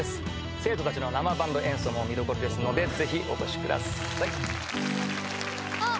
生徒達の生バンド演奏も見どころですのでぜひお越しくださいあっ！